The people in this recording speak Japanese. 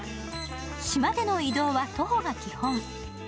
島での移動は徒歩が基本。